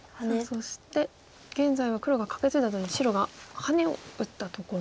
そして現在は黒がカケツイだあとに白がハネを打ったところですね。